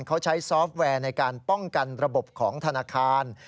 เขาใช้ซอฟต์แวร์ในการป้องกันระบบของธนาคาร